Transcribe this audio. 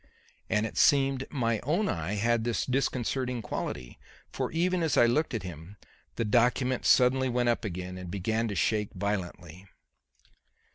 And it seemed my own eye had this disconcerting quality, for even as I looked at him, the document suddenly went up again and began to shake violently.